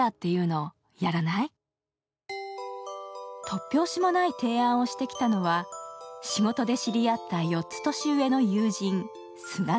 突拍子もない提案をしてきたのは仕事で知り合った４つ年上の友人、菅沼。